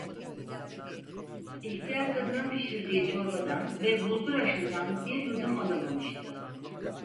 İhtiyar kadının pişirdiği çorbadan ve bulgur aşından bir yudum alamamıştı.